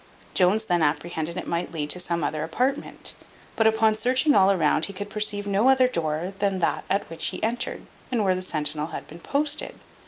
Jones then apprehended it might lead to some other apartment; but upon searching all round it, he could perceive no other door than that at which he entered, and where the centinel had been posted.